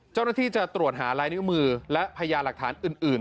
เจ้าหน้าที่จะตรวจหาลายนิ้วมือและพญาหลักฐานอื่น